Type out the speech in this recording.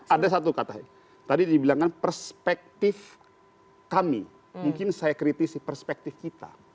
ada satu kata tadi dibilangkan perspektif kami mungkin saya kritisi perspektif kita